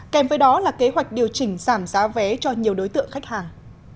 kèm với đó là kế hoạch điều chỉnh giảm giá vé cho nhiều đối tượng khách hàng